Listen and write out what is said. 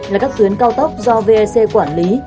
là các tuyến cao tốc do vec quản lý